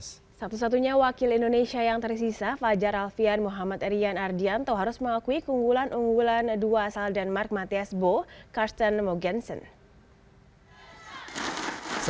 satu satunya wakil indonesia yang tersisa fajar alfian muhammad erian ardianto harus mengakui keunggulan unggulan dua asal denmark matias bo karsten mogensen